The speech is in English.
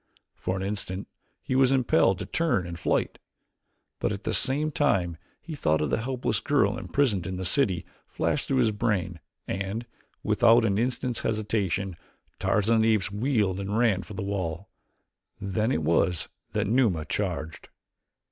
For an instant he was impelled to turn and fight, but at the same time the thought of the helpless girl imprisoned in the city flashed through his brain and, without an instant's hesitation, Tarzan of the Apes wheeled and ran for the wall. Then it was that Numa charged.